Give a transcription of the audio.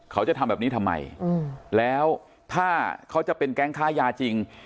เขาจะทำแบบนี้ทำไมแล้วถ้าเขาจะเป็นแก๊งค้ายาจริง